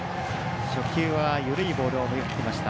初球は緩いボールを投げてきました。